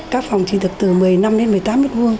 các phòng chỉ được từ một mươi năm đến một mươi tám m hai